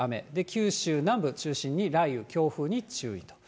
九州南部中心に雷雨、強風に注意。